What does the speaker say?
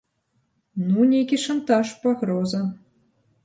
Ну, нейкі шантаж, пагроза.